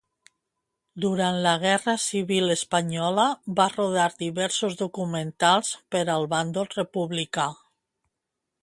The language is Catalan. Durant la Guerra Civil Espanyola va rodar diversos documentals per al bàndol republicà.